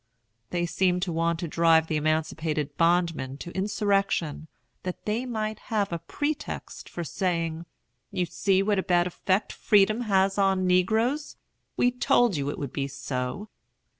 They seemed to want to drive their emancipated bondmen to insurrection, that they might have a pretext for saying: "You see what a bad effect freedom has on negroes! We told you it would be so!"